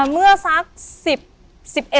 เมื่อสักสิบ